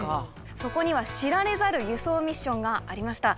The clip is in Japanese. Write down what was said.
そこには知られざる輸送ミッションがありました。